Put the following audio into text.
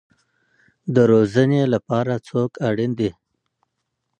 د روزنې لپاره څوک اړین دی؟